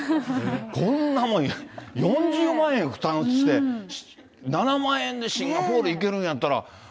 こんなもん４０万円負担して、７万円でシンガポール行けるんやったら。